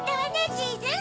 チーズ。